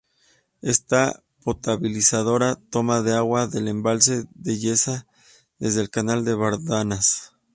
Esta potabilizadora toma agua del Embalse de Yesa desde el Canal de Bardenas.